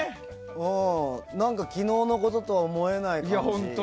何か昨日のこととは思えない感じ。